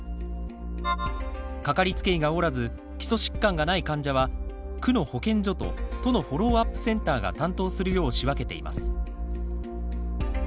かかりつけ医がおらず基礎疾患がない患者は区の保健所と都のフォローアップセンターが担当するよう仕分けています。